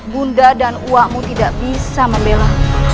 bunda dan uakmu tidak bisa membela